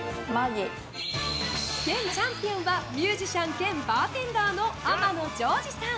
現チャンピオンはミュージシャン兼バーテンダーの天野ジョージさん。